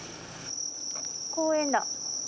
公園だ。